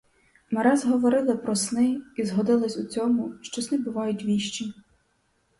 Ми раз говорили про сни і згодились у цьому, що сни бувають віщі.